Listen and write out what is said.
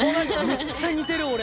めっちゃ似てる俺。